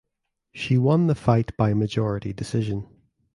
She won the fight by majority decision.